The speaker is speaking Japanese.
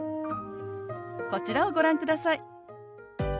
こちらをご覧ください。